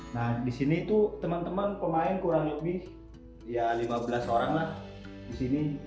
nah di sini tuh teman teman pemain kurang lebih ya lima belas orang lah di sini